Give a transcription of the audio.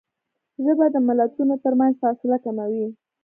ژبه د ملتونو ترمنځ فاصله کموي